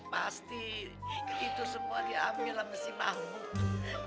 pasti itu semua diambil sama si mahmud